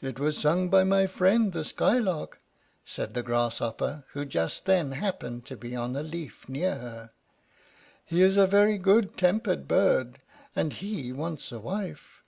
"It was sung by my friend, the Skylark," said the Grasshopper, who just then happened to be on a leaf near her. "He is a very good tempered bird, and he wants a wife."